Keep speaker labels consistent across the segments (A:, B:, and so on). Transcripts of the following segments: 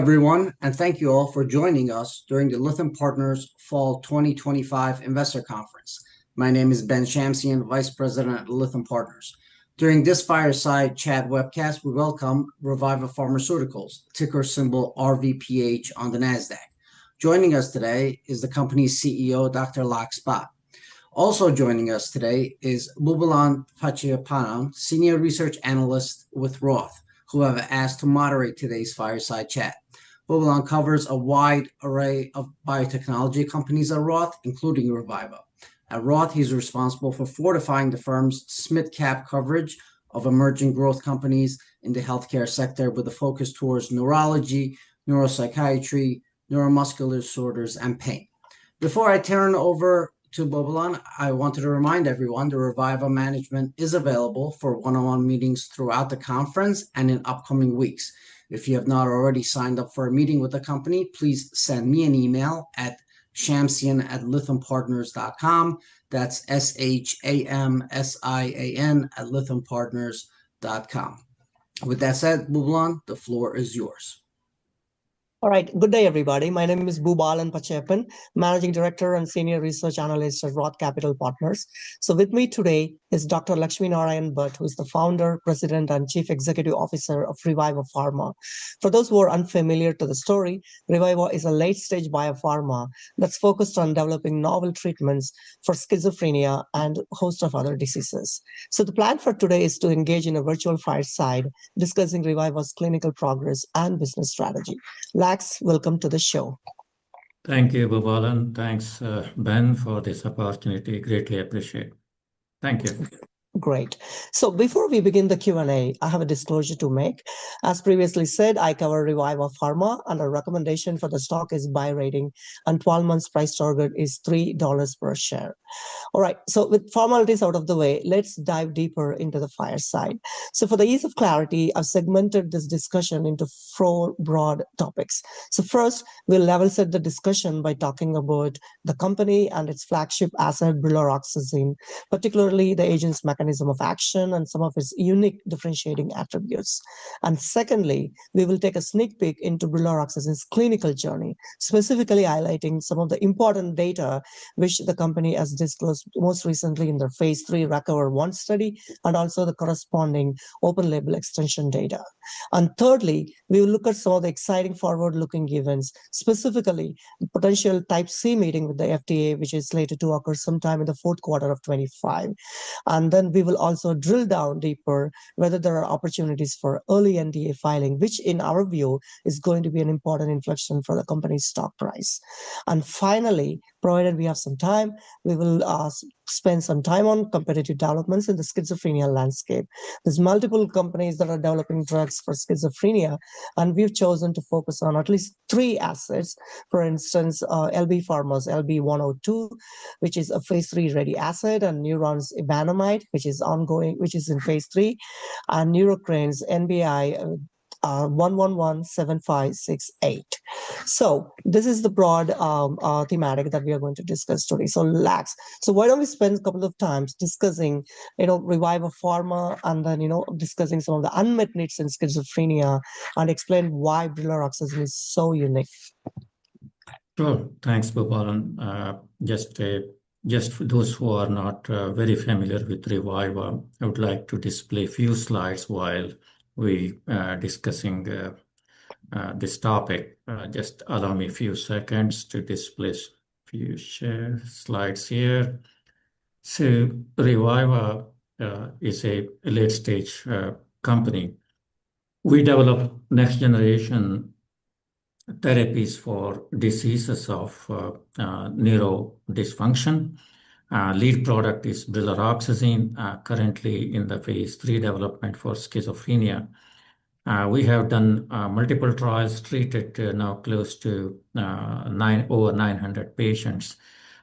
A: Hello everyone, and thank you all for joining us during the Lithium Partners Fall 2025 Investor Conference. My name is Ben Shamsian, Vice President at Lithium Partners. During this Fireside Chat webcast, we welcome Reviva Pharmaceuticals, ticker symbol RVPH, on the Nasdaq. Joining us today is the company's CEO, Dr. Laxminarayan Bhat. Also joining us today is Boobalan Pachaiyappan, Senior Research Analyst with Roth, who I've asked to moderate today's Fireside Chat. Boobalan covers a wide array of biotechnology companies at Roth, including Reviva. At Roth, he's responsible for fortifying the firm's SMID Cap coverage of emerging growth companies in the healthcare sector, with a focus towards neurology, neuropsychiatry, neuromuscular disorders, and pain. Before I turn over to Boobalan, I wanted to remind everyone that Reviva management is available for one-on-one meetings throughout the conference and in upcoming weeks. If you have not already signed up for a meeting with the company, please send me an email at shamsian@lithiumpartners.com. That's shamsian@lithiumpartners.com. With that said, Boobalan, the floor is yours.
B: All right, good day everybody. My name is Boobalan Pachaiyappan, Managing Director and Senior Research Analyst at Roth Capital Partners. So with me today is Dr. Laxminarayan Bhat, who is the Founder, President, and Chief Executive Officer of Reviva Pharma. For those who are unfamiliar with the story, Reviva is a late-stage biopharma that's focused on developing novel treatments for schizophrenia and a host of other diseases. So the plan for today is to engage in a virtual fireside discussing Reviva's clinical progress and business strategy. Lax, welcome to the show.
C: Thank you, Boobalan. Thanks, Ben, for this opportunity. Greatly appreciate it. Thank you.
B: Great. So before we begin the Q&A, I have a disclosure to make. As previously said, I cover Reviva Pharma, and a recommendation for the stock is buy rating, and 12 months price target is $3 per share. All right, so with formalities out of the way, let's dive deeper into the fireside. So for the ease of clarity, I've segmented this discussion into four broad topics. So first, we'll level set the discussion by talking about the company and its flagship asset, brilaroxazine, particularly the agent's mechanism of action and some of its unique differentiating attributes. And secondly, we will take a sneak peek into brilaroxazine's clinical journey, specifically highlighting some of the important data which the company has disclosed most recently in their Phase 3 RECOVER study, and also the corresponding open label extension data. And thirdly, we will look at some of the exciting forward-looking events, specifically the potential Type C meeting with the FDA, which is slated to occur sometime in the fourth quarter of 2025. And then we will also drill down deeper whether there are opportunities for early NDA filing, which in our view is going to be an important inflection for the company's stock price. And finally, provided we have some time, we will spend some time on competitive developments in the schizophrenia landscape. There's multiple companies that are developing drugs for schizophrenia, and we've chosen to focus on at least three assets. For instance, LB Pharmaceuticals' LB-102, which is a Phase 3 ready asset, and Newron's evenamide, which is ongoing, which is in Phase 3, and Neurocrine's NBI-1117568. So this is the broad thematic that we are going to discuss today. So, Lax, why don't we spend a couple of times discussing Reviva Pharma and then discussing some of the unmet needs in schizophrenia and explain why brilaroxazine is so unique?
C: Sure, thanks Boobalan. Just for those who are not very familiar with Reviva, I would like to display a few slides while we are discussing this topic. Just allow me a few seconds to display a few slides here. So Reviva is a late-stage company. We develop next-generation therapies for diseases of neuro dysfunction. Lead product is brilaroxazine, currently in the Phase 3 development for schizophrenia. We have done multiple trials, treated now close to over 900 patients.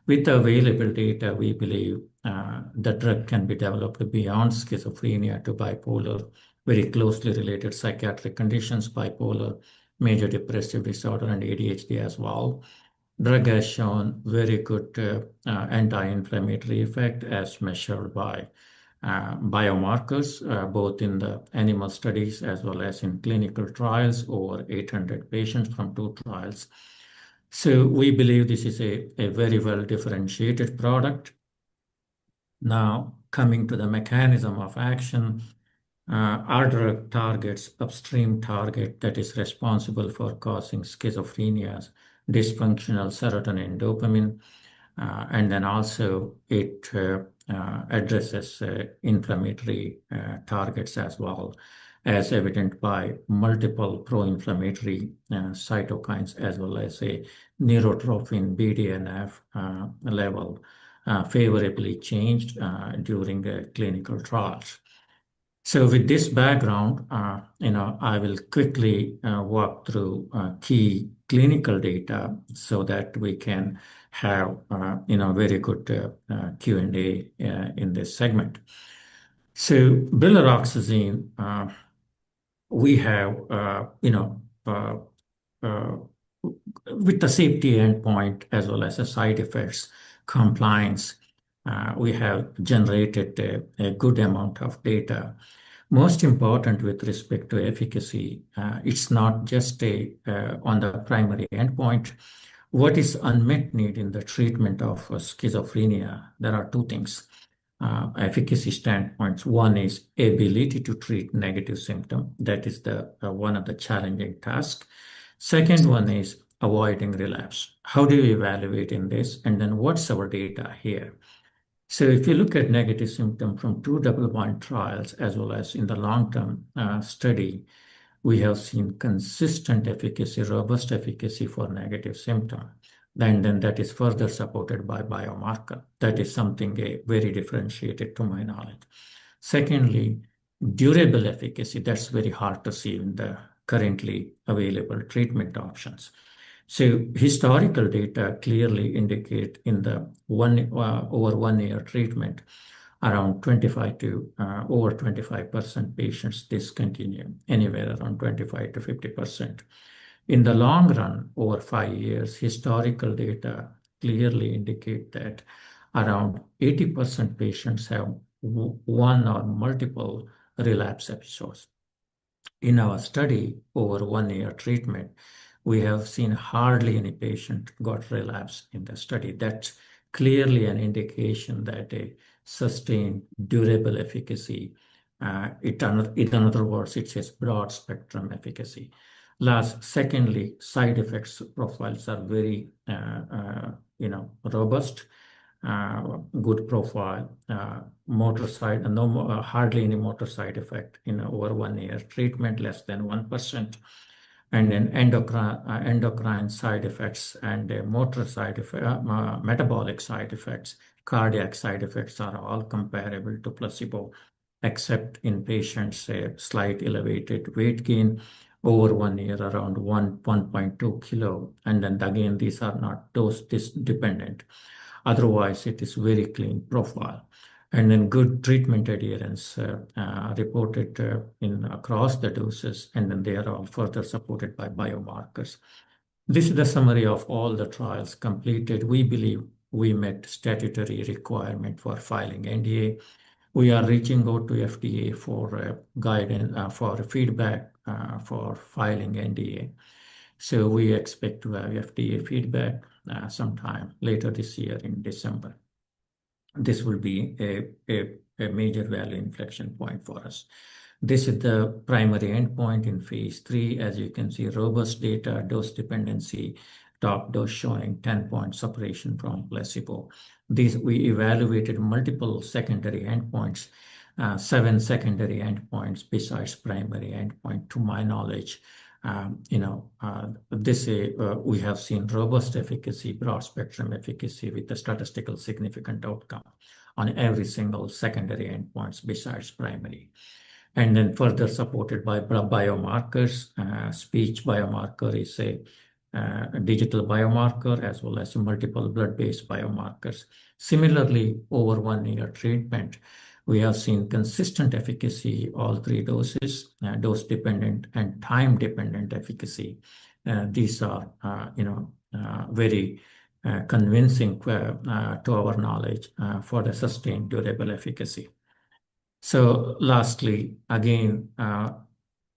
C: With the available data, we believe the drug can be developed beyond schizophrenia to bipolar, very closely related psychiatric conditions, bipolar, major depressive disorder, and ADHD as well. Drug has shown very good anti-inflammatory effect as measured by biomarkers, both in the animal studies as well as in clinical trials over 800 patients from two trials. So we believe this is a very well differentiated product. Now coming to the mechanism of action, our drug targets upstream target that is responsible for causing schizophrenia's dysfunctional serotonin dopamine, and then also it addresses inflammatory targets as well, as evident by multiple pro-inflammatory cytokines as well as a neurotrophin BDNF level favorably changed during clinical trials. So with this background, I will quickly walk through key clinical data so that we can have a very good Q&A in this segment. So brilaroxazine, we have, with the safety endpoint as well as the side effects compliance, we have generated a good amount of data. Most important with respect to efficacy, it's not just on the primary endpoint. What is unmet need in the treatment of schizophrenia? There are two things efficacy standpoints. One is ability to treat negative symptoms. That is one of the challenging tasks. Second one is avoiding relapse. How do you evaluate in this? And then, what's our data here? So if you look at negative symptom from two double-blind trials as well as in the long-term study, we have seen consistent efficacy, robust efficacy for negative symptom. And then that is further supported by biomarker. That is something very differentiated to my knowledge. Secondly, durable efficacy. That's very hard to see in the currently available treatment options. So historical data clearly indicate in the over one-year treatment, around 25% to over 25% patients discontinue, anywhere around 25%-50%. In the long run, over five years, historical data clearly indicate that around 80% patients have one or multiple relapse episodes. In our study, over one-year treatment, we have seen hardly any patient got relapse in the study. That's clearly an indication that a sustained durable efficacy, in other words, it's a broad spectrum efficacy. Secondly, side effects profiles are very robust, good profile. Motor side, hardly any motor side effect in over one-year treatment, less than 1%. And then, endocrine side effects and motor side effects, metabolic side effects, cardiac side effects are all comparable to placebo, except in patients' slight elevated weight gain over one year, around 1.2 kg. And then again, these are not dose-dependent. Otherwise, it is very clean profile. And then, good treatment adherence reported across the doses, and then they are all further supported by biomarkers. This is the summary of all the trials completed. We believe we met statutory requirement for filing NDA. We are reaching out to FDA for guidance, for feedback for filing NDA, so we expect to have FDA feedback sometime later this year in December. This will be a major value inflection point for us. This is the primary endpoint in Phase 3. As you can see, robust data, dose dependency, top dose showing 10 points separation from placebo. We evaluated multiple secondary endpoints, seven secondary endpoints besides primary endpoint, to my knowledge. This we have seen robust efficacy, broad spectrum efficacy with the statistical significant outcome on every single secondary endpoint besides primary. And then further supported by biomarkers. Speech biomarker is a digital biomarker as well as multiple blood-based biomarkers. Similarly, over one-year treatment, we have seen consistent efficacy, all three doses, dose-dependent and time-dependent efficacy. These are very convincing to our knowledge for the sustained durable efficacy. So lastly, again,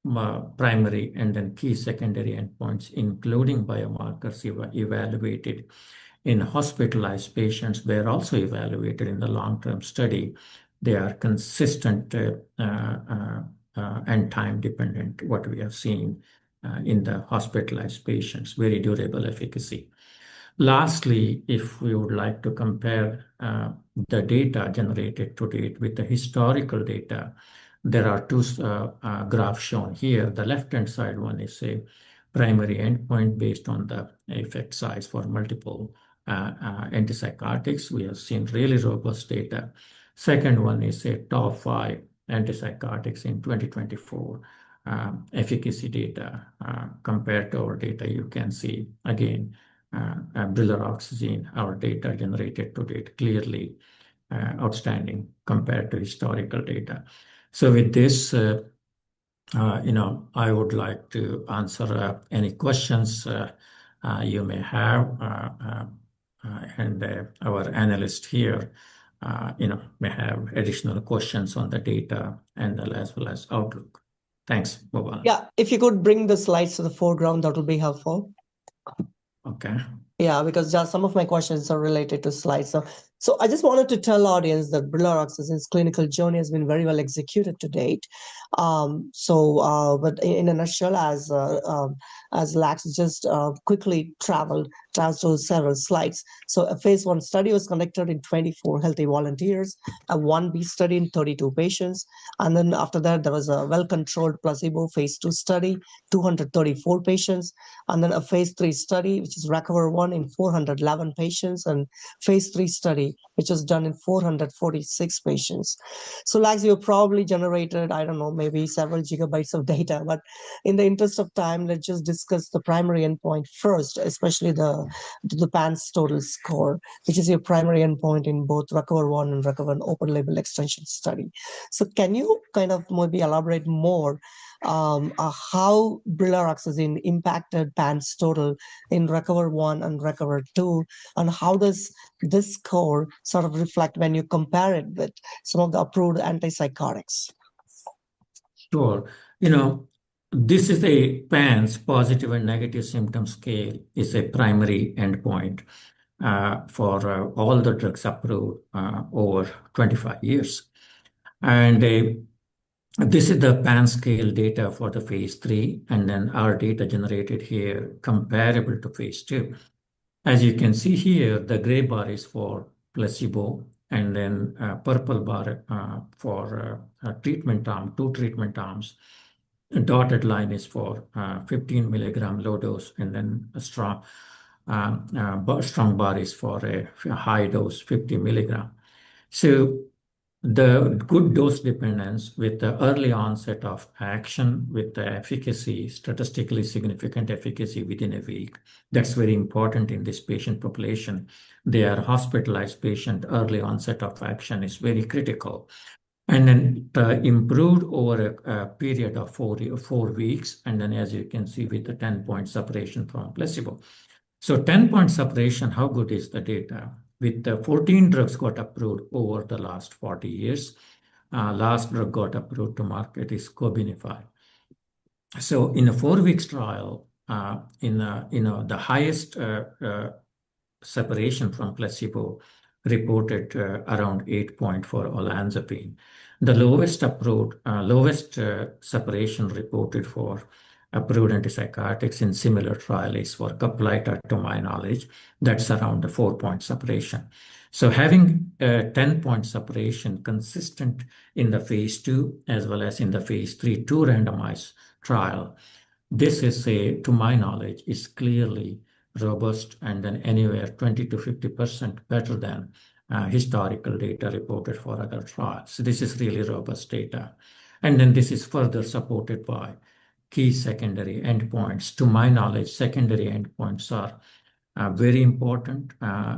C: primary and then key secondary endpoints, including biomarkers, evaluated in hospitalized patients. They're also evaluated in the long-term study. They are consistent and time-dependent, what we have seen in the hospitalized patients, very durable efficacy. Lastly, if we would like to compare the data generated to date with the historical data, there are two graphs shown here. The left-hand side one is a primary endpoint based on the effect size for multiple antipsychotics. We have seen really robust data. Second one is a top five antipsychotics in 2024 efficacy data. Compared to our data, you can see again, brilaroxazine, our data generated to date, clearly outstanding compared to historical data. So with this, I would like to answer any questions you may have, and our analyst here may have additional questions on the data and as well as outlook. Thanks, Boobalan.
B: Yeah, if you could bring the slides to the foreground, that will be helpful.
C: Okay.
B: Yeah, because some of my questions are related to slides. I just wanted to tell the audience that brilaroxazine's clinical journey has been very well executed to date. But in a nutshell, as Lax just quickly traveled through several slides, a Phase 1 study was conducted in 24 healthy volunteers, a 1b study in 32 patients. And then after that, there was a well-controlled placebo Phase 2 study, 234 patients. And then a Phase 3 study, which is RECOVER I, in 411 patients, and a Phase 3 study, which was done in 446 patients. Lax, you probably generated, I don't know, maybe several gigabytes of data. But in the interest of time, let's just discuss the primary endpoint first, especially the PANSS total score, which is your primary endpoint in both RECOVER I and RECOVER open label extension study. So can you maybe elaborate more on how brilloroxazine impacted PANSS total in RECOVER and RECOVER II, and how does this score reflect when you compare it with some of the approved antipsychotics?
C: Sure. This is a PANSS Positive and Negative Symptom Scale, is a primary endpoint for all the drugs approved over 25 years. This is the PANSS scale data for the Phase 3, and then our data generated here comparable to Phase 2. As you can see here, the gray bar is for placebo, and then purple bar for treatment arm, two treatment arms. The dotted line is for 15 milligram low dose, and then a strong bar is for a high dose, 50 milligram. So the good dose dependence with the early onset of action with the efficacy, statistically significant efficacy within a week, that's very important in this patient population. The hospitalized patient, early onset of action is very critical. It improved over a period of four weeks, and then as you can see with the 10-point separation from placebo. So 10-point separation, how good is the data? With the 14 drugs got approved over the last 40 years, last drug got approved to market is Cobenfy. So in a four-week trial, the highest separation from placebo reported around 8.4 olanzapine. The lowest separation reported for approved antipsychotics in similar trial is for Caplyta, to my knowledge. That's around the four-point separation. So having a 10-point separation consistent in the Phase 2 as well as in the Phase 3, two randomized trial, this is, to my knowledge, clearly robust and then anywhere 20%-50% better than historical data reported for other trials. So this is really robust data. And then this is further supported by key secondary endpoints. To my knowledge, secondary endpoints are very important,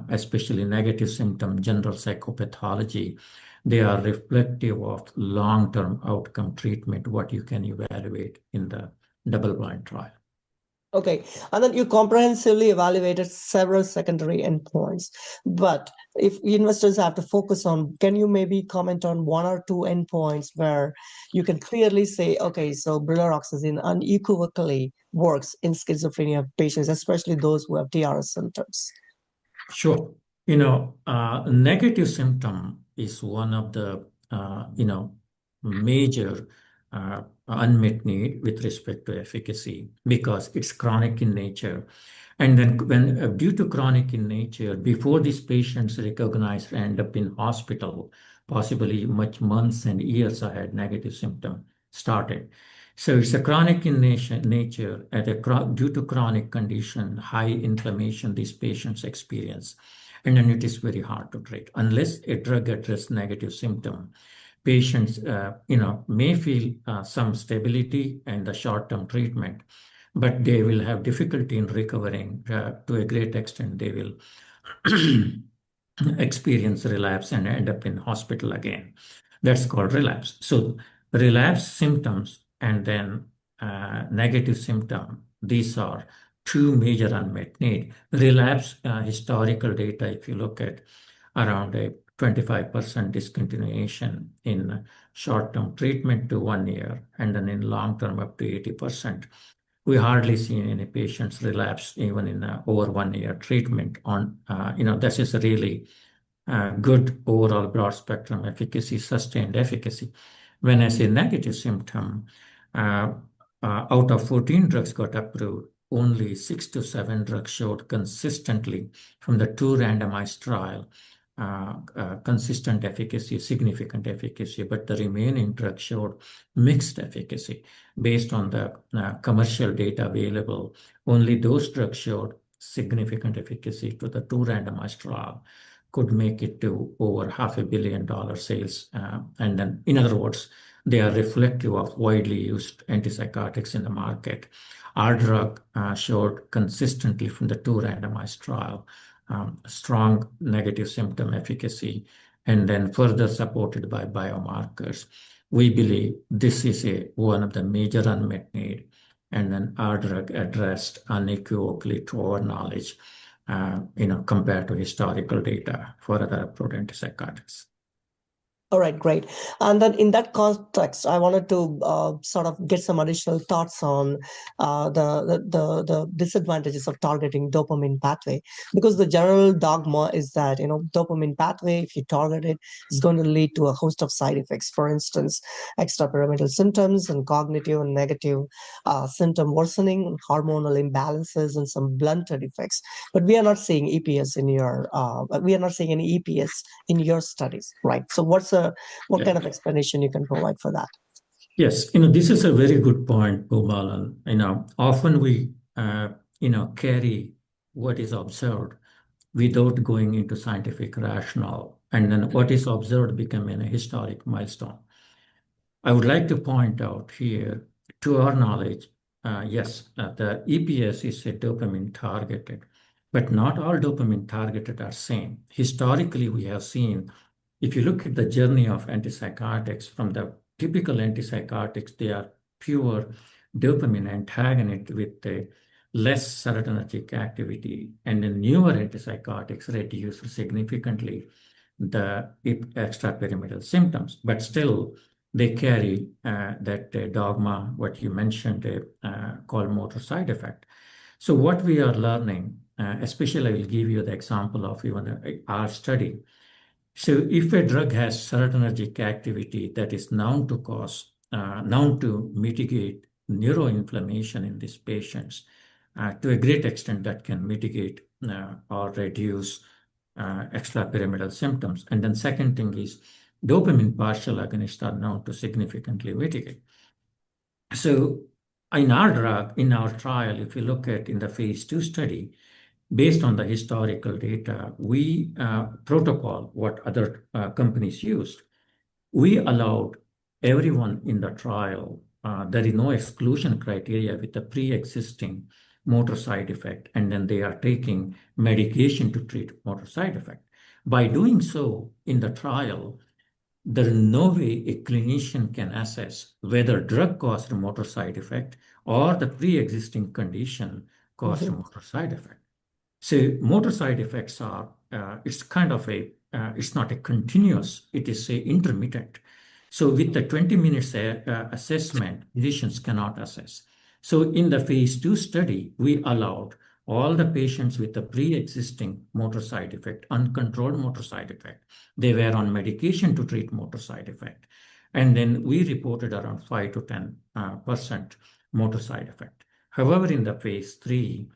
C: especially negative symptom, general psychopathology. They are reflective of long-term outcome treatment, what you can evaluate in the double-blind trial.
B: Okay. And then you comprehensively evaluated several secondary endpoints. But if investors have to focus on, can you maybe comment on one or two endpoints where you can clearly say, okay, so brilloroxazine unequivocally works in schizophrenia patients, especially those who have DRS symptoms?
C: Sure. Negative symptom is one of the major unmet need with respect to efficacy because it's chronic in nature, and then due to chronic in nature, before these patients recognized, end up in hospital, possibly many months and years ahead, negative symptom started, so it's a chronic in nature due to chronic condition, high inflammation these patients experience, and then it is very hard to treat unless a drug address negative symptom. Patients may feel some stability and short-term treatment, but they will have difficulty in recovering. To a great extent, they will experience relapse and end up in hospital again. That's called relapse, so relapse symptoms and then negative symptom, these are two major unmet need. Relapse historical data, if you look at around a 25% discontinuation in short-term treatment to one year, and then in long-term up to 80%. We hardly see any patients relapse even in over one-year treatment. That is really good overall broad spectrum efficacy, sustained efficacy. When I say negative symptom, out of 14 drugs got approved, only six to seven drugs showed consistently from the two randomized trial, consistent efficacy, significant efficacy. But the remaining drug showed mixed efficacy based on the commercial data available. Only those drugs showed significant efficacy to the two randomized trial could make it to over $500 million sales, and then, in other words, they are reflective of widely used antipsychotics in the market. Our drug showed consistently from the two randomized trial, strong negative symptom efficacy, and then further supported by biomarkers. We believe this is one of the major unmet need, and then our drug addressed unequivocally to our knowledge compared to historical data for other approved antipsychotics.
B: All right, great. And then in that context, I wanted to get some additional thoughts on the disadvantages of targeting dopamine pathway because the general dogma is that dopamine pathway, if you target it, is going to lead to a host of side effects, for instance, extrapyramidal symptoms and cognitive and negative symptom worsening, hormonal imbalances, and some blunted effects. But we are not seeing any EPS in your studies, right? So what explanation you can provide for that?
C: Yes. This is a very good point, Boobalan. Often we carry what is observed without going into scientific rationale. And then what is observed becomes a historic milestone. I would like to point out here, to our knowledge, yes, the EPS is a dopamine targeted, but not all dopamine targeted are same. Historically, we have seen, if you look at the journey of antipsychotics from the typical antipsychotics, they are fewer dopamine antagonist with less serotonin-rich activity. And then newer antipsychotics reduce significantly the extrapyramidal symptoms. But still, they carry that dogma, what you mentioned, called motor side effect. So what we are learning, especially I will give you the example of our study. So if a drug has serotonin-rich activity that is known to cause, known to mitigate neuroinflammation in these patients, to a great extent, that can mitigate or reduce extrapyramidal symptoms. And then second thing is dopamine partial agonist are known to significantly mitigate. So in our drug, in our trial, if you look at the Phase 2 study, based on the historical data, we protocol what other companies used. We allowed everyone in the trial. There is no exclusion criteria with the pre-existing motor side effect. And then they are taking medication to treat motor side effect. By doing so in the trial, there is no way a clinician can assess whether drug caused a motor side effect or the pre-existing condition caused a motor side effect. So motor side effects are it's a it's not a continuous. It is intermittent. So with the 20-minute assessment, physicians cannot assess. So in the Phase 2 study, we allowed all the patients with the pre-existing motor side effect, uncontrolled motor side effect. They were on medication to treat motor side effect, and then we reported around 5%-10% motor side effect. However, in the Phase 3,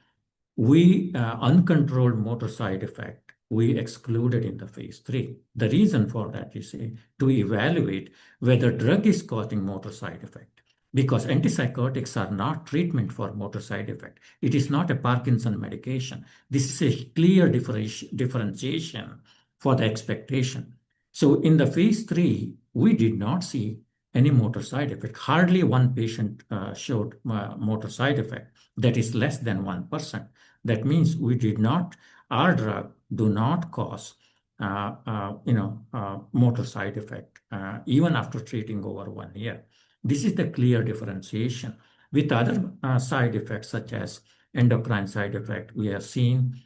C: we uncontrolled motor side effect, we excluded in the Phase 3. The reason for that is to evaluate whether drug is causing motor side effect because antipsychotics are not treatment for motor side effect. It is not a Parkinson's medication. This is a clear differentiation for the expectation, so in the Phase 3, we did not see any motor side effect. Hardly one patient showed motor side effect that is less than 1%. That means we did not our drug do not cause motor side effect even after treating over one year. This is the clear differentiation. With other side effects such as endocrine side effect, we have seen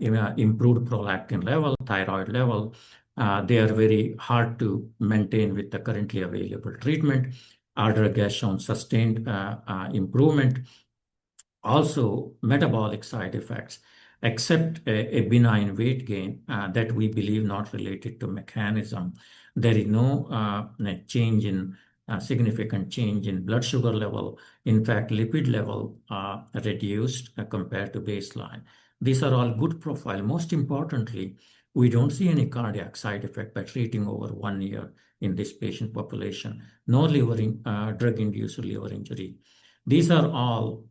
C: improved prolactin level, thyroid level. They are very hard to maintain with the currently available treatment. Our drug has shown sustained improvement. Also, metabolic side effects, except a benign weight gain that we believe not related to mechanism. There is no significant change in blood sugar level. In fact, lipid level reduced compared to baseline. These are all good profile. Most importantly, we don't see any cardiac side effect by treating over one year in this patient population. No drug-induced liver injury. These are all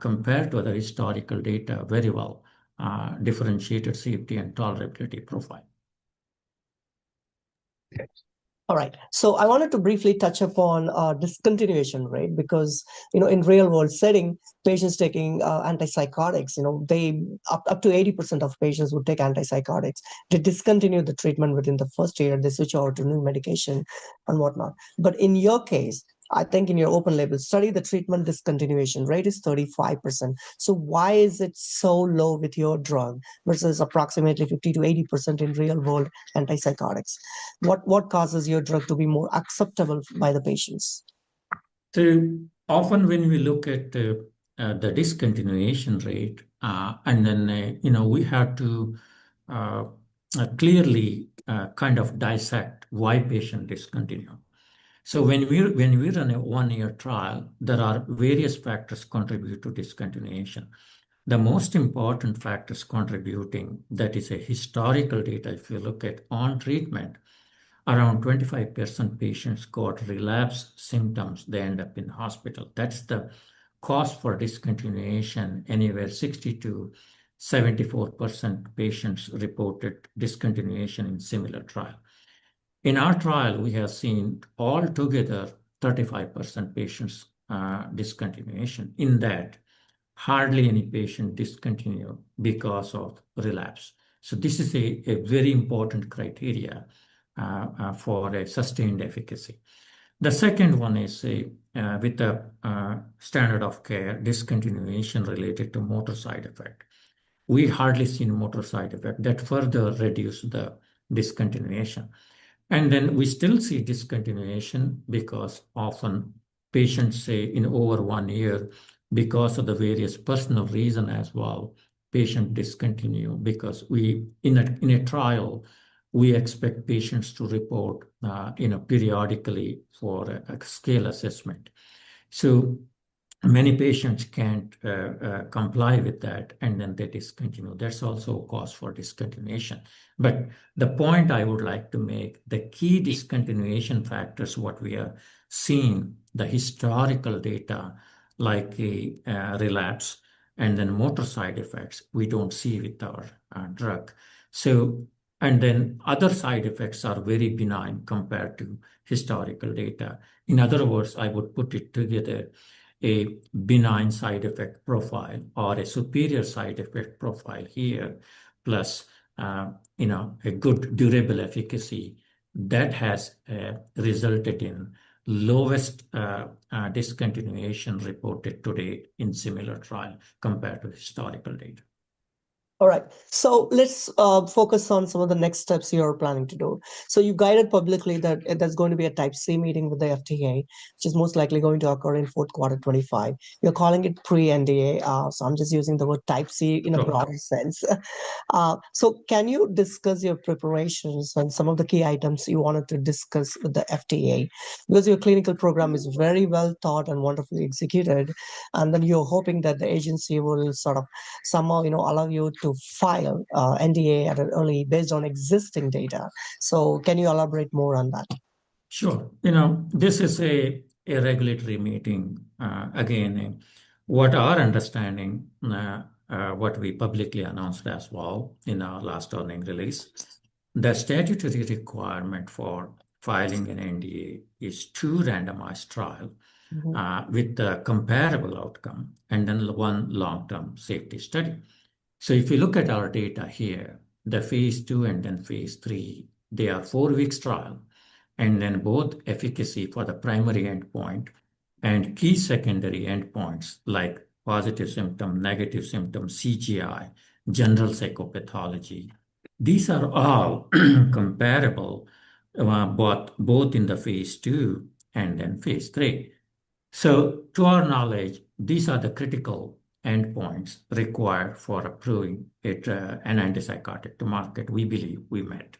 C: compared to the historical data very well differentiated safety and tolerability profile.
B: All right. So I wanted to briefly touch upon discontinuation, right? Because in real-world setting, patients taking antipsychotics, up to 80% of patients would take antipsychotics to discontinue the treatment within the first year, they switch over to new medication and whatnot. But in your case, I think in your open label study, the treatment discontinuation rate is 35%. So why is it so low with your drug versus approximately 50%-80% in real-world antipsychotics? What causes your drug to be more acceptable by the patients?
C: So often when we look at the discontinuation rate, and then we have to clearly dissect why patients discontinue. So when we run a one-year trial, there are various factors contributing to discontinuation. The most important factors contributing, that is a historical data, if you look at on treatment, around 25% patients caught relapse symptoms. They end up in hospital. That's the cost for discontinuation, anywhere 60%-74% patients reported discontinuation in similar trial. In our trial, we have seen altogether 35% patients discontinuation. In that, hardly any patient discontinued because of relapse. So this is a very important criteria for a sustained efficacy. The second one is with the standard of care, discontinuation related to motor side effect. We hardly seen motor side effect that further reduced the discontinuation. And then we still see discontinuation because often patients stay in over one year because of the various personal reasons as well. Patients discontinue because in a trial, we expect patients to report periodically for a scale assessment. So many patients can't comply with that, and then they discontinue. There's also a cause for discontinuation. But the point I would like to make, the key discontinuation factors, what we are seeing, the historical data like a relapse and then motor side effects, we don't see with our drug. And then other side effects are very benign compared to historical data. In other words, I would put it together, a benign side effect profile or a superior side effect profile here, plus a good durable efficacy that has resulted in lowest discontinuation reported today in similar trial compared to historical data.
B: All right. So let's focus on some of the next steps you're planning to do. So you guided publicly that there's going to be a Type C meeting with the FDA, which is most likely going to occur in fourth quarter 2025. You're calling it pre-NDA. So I'm just using the word Type C in a broader sense. So can you discuss your preparations and some of the key items you wanted to discuss with the FDA? Because your clinical program is very well thought and wonderfully executed, and then you're hoping that the agency will somehow allow you to file NDA at an early based on existing data. So can you elaborate more on that?
C: Sure. This is a regulatory meeting. Again, what our understanding, what we publicly announced as well in our last earnings release, the statutory requirement for filing an NDA is two randomized trials with the comparable outcome and then one long-term safety study. So if you look at our data here, the Phase 2 and then Phase 3, they are four-week trials. And then both efficacy for the primary endpoint and key secondary endpoints like positive symptom, negative symptom, CGI, general psychopathology, these are all comparable both in the Phase 2 and then Phase 3. So to our knowledge, these are the critical endpoints required for approving an antipsychotic to market. We believe we met.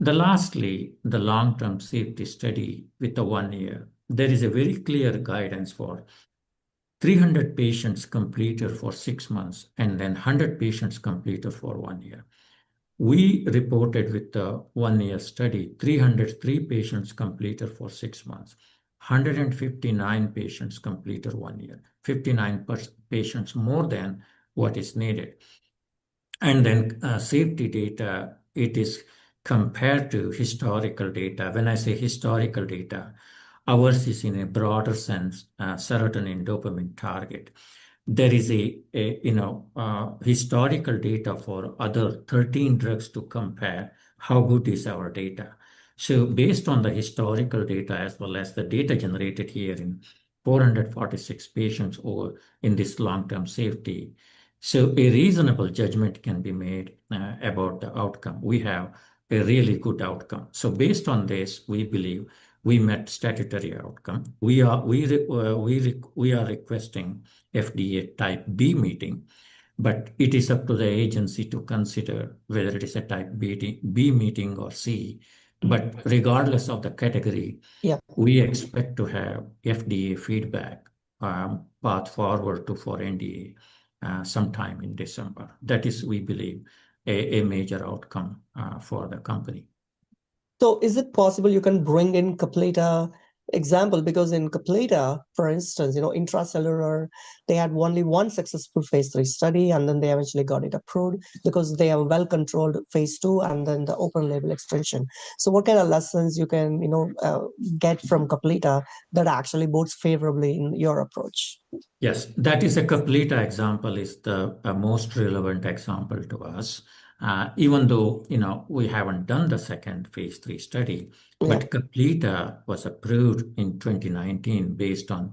C: Lastly, the long-term safety study with the one-year, there is a very clear guidance for 300 patients completed for six months and then 100 patients completed for one year. We reported with the one-year study, 303 patients completed for six months, 159 patients completed one year, 59 patients more than what is needed. And then safety data, it is compared to historical data. When I say historical data, ours is in a broader sense, serotonin dopamine target. There is historical data for other 13 drugs to compare how good is our data. So based on the historical data as well as the data generated here in 446 patients or in this long-term safety, so a reasonable judgment can be made about the outcome. We have a really good outcome. So based on this, we believe we met statutory outcome. We are requesting FDA Type B meeting, but it is up to the agency to consider whether it is a Type B meeting or C. But regardless of the category, we expect to have FDA feedback path forward for NDA sometime in December. That is, we believe, a major outcome for the company.
B: Is it possible you can bring in Caplyta example? Because in Caplyta, for instance, Intra-Cellular, they had only one successful Phase 3 study, and then they eventually got it approved because they have a well-controlled Phase 2 and then the open-label extension. So what lessons you can get from Caplyta that actually bodes favorably in your approach? Yes. That is a Caplyta example is the most relevant example to us, even though we haven't done the second Phase 3 study. But Caplyta was approved in 2019 based on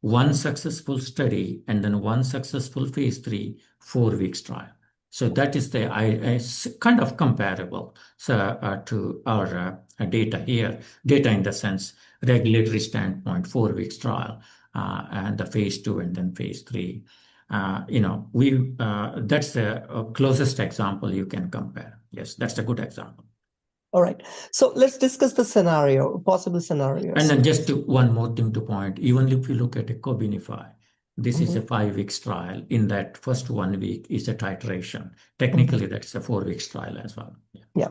B: one successful study and then one successful Phase 3, four-week trial. So that is comparable to our data here. Data in the sense regulatory standpoint, four-week trial, and the Phase 2 and then Phase 3. That's the closest example you can compare. Yes, that's a good example. All right. So let's discuss the scenario, possible scenarios.
C: And then just one more thing to point. Even if you look at Cobenfy, this is a five-week trial. In that first one week is a titration. Technically, that's a four-week trial as well.
B: Yeah.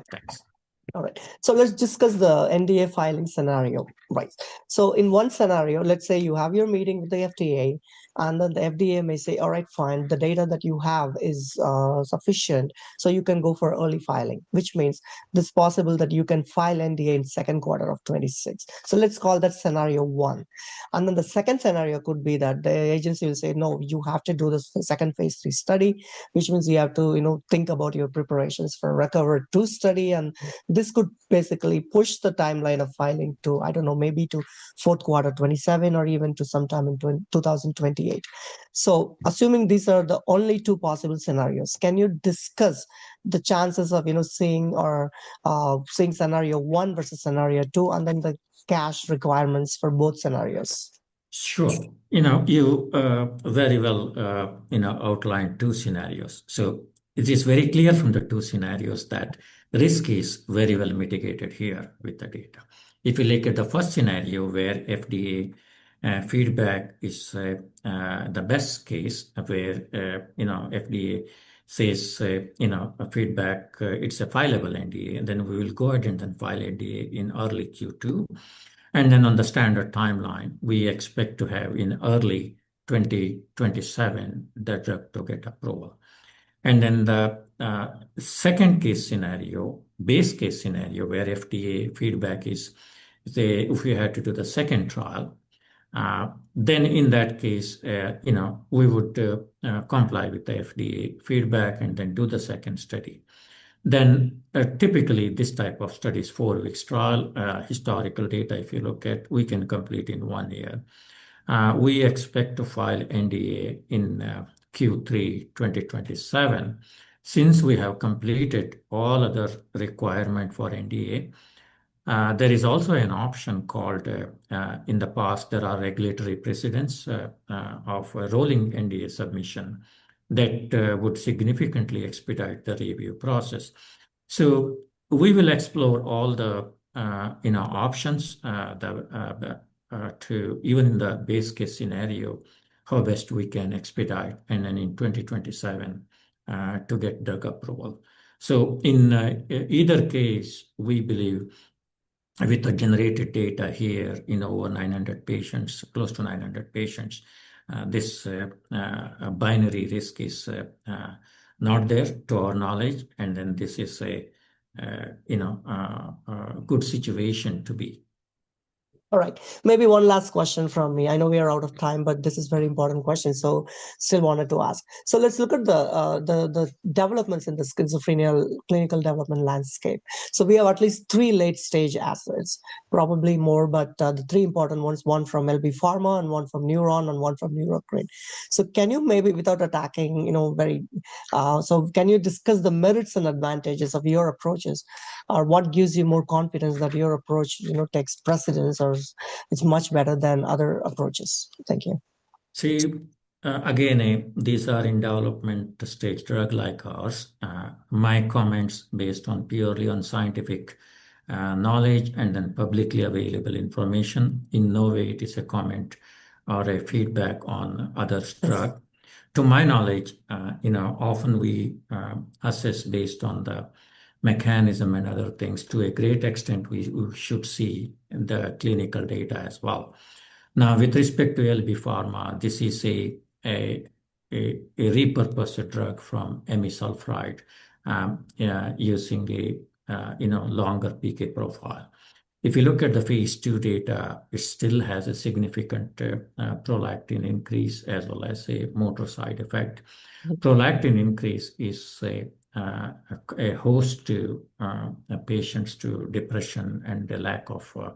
B: All right. So let's discuss the NDA filing scenario, right? So in one scenario, let's say you have your meeting with the FDA, and then the FDA may say, "All right, fine. The data that you have is sufficient, so you can go for early filing," which means it's possible that you can file NDA in second quarter of 2026. So let's call that scenario one. And then the second scenario could be that the agency will say, "No, you have to do the second Phase 3 study," which means you have to think about your preparations for RECOVER-2 study. And this could basically push the timeline of filing to, I don't know, maybe to fourth quarter 2027 or even to sometime in 2028. So assuming these are the only two possible scenarios, can you discuss the chances of seeing scenario one versus scenario two and then the cash requirements for both scenarios?
C: Sure. You very well outlined two scenarios. So it is very clear from the two scenarios that risk is very well mitigated here with the data. If you look at the first scenario where FDA feedback is the best case where FDA says feedback, it's a viable NDA, then we will go ahead and then file NDA in early Q2. And then on the standard timeline, we expect to have in early 2027 the drug to get approval. And then the second case scenario, base case scenario where FDA feedback is if we had to do the second trial, then in that case, we would comply with the FDA feedback and then do the second study. Then typically this type of study is four-week trial. Historical data, if you look at, we can complete in one year. We expect to file NDA in Q3 2027 since we have completed all other requirements for NDA. There is also an option called in the past, there are regulatory precedents of rolling NDA submission that would significantly expedite the review process, so we will explore all the options to even in the base case scenario, how best we can expedite and then in 2027 to get drug approval, so in either case, we believe with the generated data here in over 900 patients, close to 900 patients, this binary risk is not there to our knowledge, and then this is a good situation to be.
B: All right. Maybe one last question from me. I know we are out of time, but this is a very important question, so still wanted to ask, so let's look at the developments in the schizophrenia clinical development landscape. So we have at least three late-stage assets, probably more, but the three important ones, one from LB Pharmaceuticals and one from Newron and one from Neurocrine. So can you maybe without attacking very so can you discuss the merits and advantages of your approaches or what gives you more confidence that your approach takes precedence or it's much better than other approaches? Thank you.
C: See, again, these are in development stage drug like ours. My comments based purely on scientific knowledge and then publicly available information, in no way it is a comment or a feedback on others' drug. To my knowledge, often we assess based on the mechanism and other things. To a great extent, we should see the clinical data as well. Now, with respect to LB Pharma, this is a repurposed drug from amisulpride using a longer PK profile. If you look at the Phase 2 data, it still has a significant prolactin increase as well as a motor side effect. Prolactin increase is a host to patients to depression and the lack of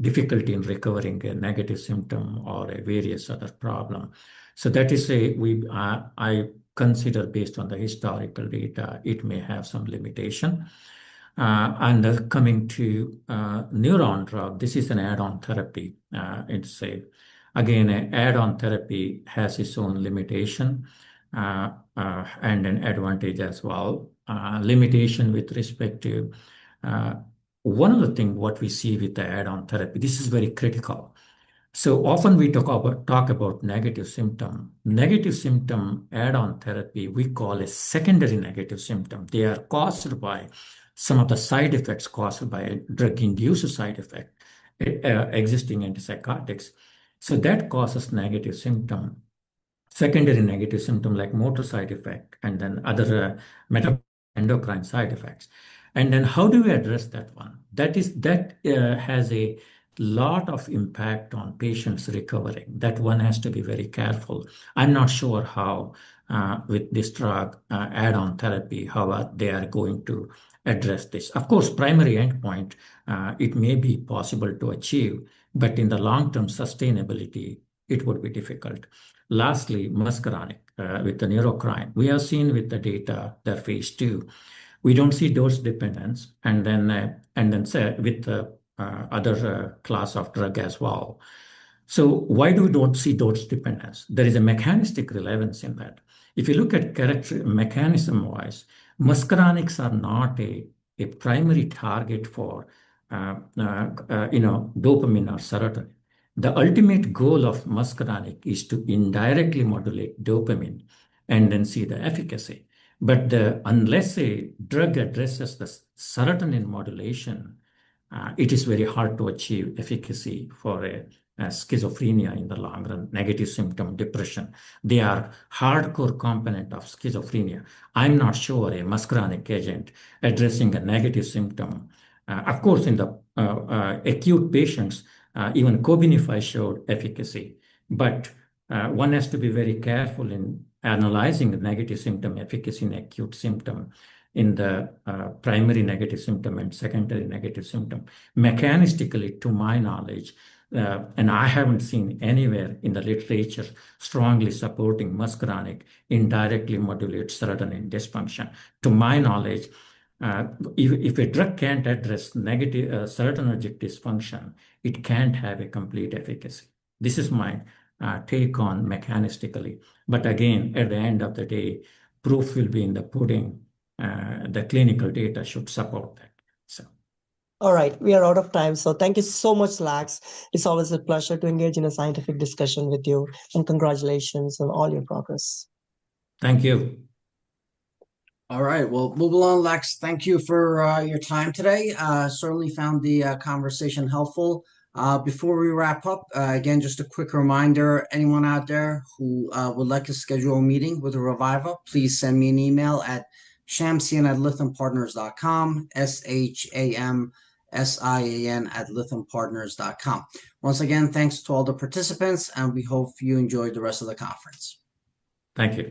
C: difficulty in recovering a negative symptom or a various other problem. So that is a I consider based on the historical data, it may have some limitation. And coming to Newron drug, this is an add-on therapy. Again, an add-on therapy has its own limitation and an advantage as well. Limitation with respect to one of the things what we see with the add-on therapy, this is very critical. So often we talk about negative symptom. Negative symptom add-on therapy, we call a secondary negative symptom. They are caused by some of the side effects caused by drug-induced side effects, existing antipsychotics. So that causes negative symptom, secondary negative symptom like motor side effect and then other endocrine side effects. And then how do we address that one? That has a lot of impact on patients recovering. That one has to be very careful. I'm not sure how with this drug add-on therapy, how they are going to address this. Of course, primary endpoint, it may be possible to achieve, but in the long-term sustainability, it would be difficult. Lastly, muscarinic with the Neurocrine. We have seen with the data the Phase 2. We don't see dose dependence and then with the other class of drug as well. So why do we don't see dose dependence? There is a mechanistic relevance in that. If you look at mechanism-wise, muscarinics are not a primary target for dopamine or serotonin. The ultimate goal of muscarinic is to indirectly modulate dopamine and then see the efficacy. But unless a drug addresses the serotonin modulation, it is very hard to achieve efficacy for schizophrenia in the long run, negative symptom depression. They are hardcore component of schizophrenia. I'm not sure a muscarinic agent addressing a negative symptom. Of course, in the acute patients, even Cobenfy showed efficacy. But one has to be very careful in analyzing negative symptom efficacy in acute symptom in the primary negative symptom and secondary negative symptom. Mechanistically, to my knowledge, and I haven't seen anywhere in the literature strongly supporting muscarinic indirectly modulates serotonin dysfunction. To my knowledge, if a drug can't address serotonin dysfunction, it can't have a complete efficacy. This is my take on mechanistically. But again, at the end of the day, proof will be in the pudding. The clinical data should support that.
B: All right. We are out of time, so thank you so much, Lax. It's always a pleasure to engage in a scientific discussion with you, and congratulations on all your progress.
C: Thank you.
A: All right. Well, move along, Lax. Thank you for your time today. Certainly found the conversation helpful. Before we wrap up, again, just a quick reminder, anyone out there who would like to schedule a meeting with Reviva, please send me an email at shamsian@lithiumpartners.com, shamsian@lithiumpartners.com. Once again, thanks to all the participants, and we hope you enjoyed the rest of the conference.
C: Thank you.